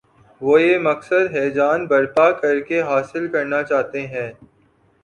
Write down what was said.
وہ یہ مقصد ہیجان برپا کر کے حاصل کرنا چاہتے ہیں۔